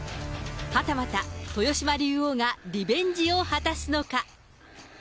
はたまた、豊島竜王がリベンジを果たすのか。